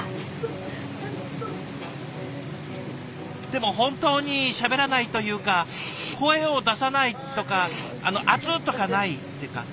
でも本当にしゃべらないというか声を出さないとかあの「熱っ！」とかないってか。